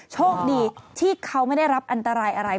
โชคดีที่เขาไม่ได้รับอันตรายอะไร